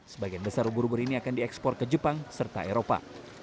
sebagian besar ubur ubur ini akan diekspor ke jepang serta eropa